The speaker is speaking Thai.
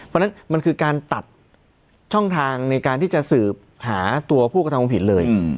มันนั้นก็คือการตัดช่องทางในการที่จะสืบหาตัวผู้ก็ทำผิดเลย